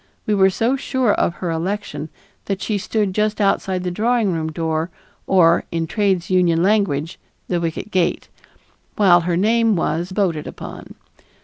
We were so sure of her election that she stood just outside of the drawing room door, or, in trades union language, "the wicket gate," while her name was voted upon.